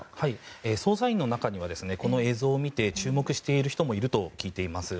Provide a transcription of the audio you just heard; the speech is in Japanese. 捜査員の中にはこの映像を見て注目している人もいると聞いています。